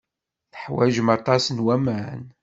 Teḥwajem aṭas n waman.